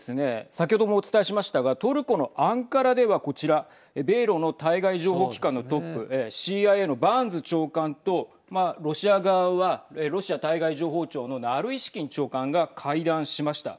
先ほどもお伝えしましたがトルコのアンカラでは、こちら米ロの対外情報機関のトップＣＩＡのバーンズ長官とロシア側はロシア対外情報庁のナルイシキン長官が会談しました。